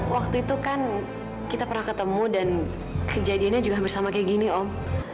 waktu itu kan kita pernah ketemu dan kejadiannya juga hampir sama kayak gini om